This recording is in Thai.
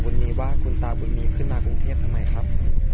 คือเดินทางเข้ากรุงเทพเพื่อไปหาผู้ชายใช่ไหมครับ